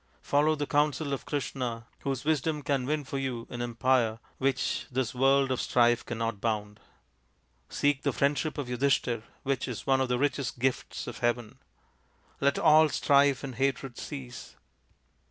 Follow the counsel of Krishna, whose wisdom can win for you an empire which this world of strife cannot bound. Seek the friendship of Yudhishthir, which is one of the richest gifts of heaven. Let all strife and hatred cease."